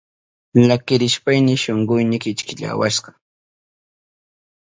Llakirishpayni shunkuyni kichkiyawashka.